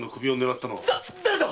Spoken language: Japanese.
だ誰だ